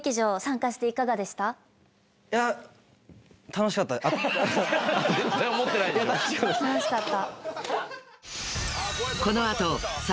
楽しかった？